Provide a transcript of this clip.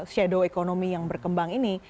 shadow economy yang berkembang ini